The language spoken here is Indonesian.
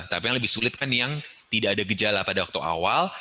tapi yang lebih sulit kan yang tidak ada gejala pada waktu awal